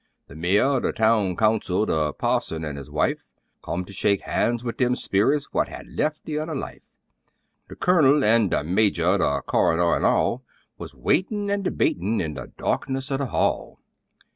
The mayor the town council the parson an' his wife, Come to shake han's with them sperrits what had left the other life; The Colonel an' the Major the coroner, an' all Wuz waitin' an' debatin' in the darkness o' the hall.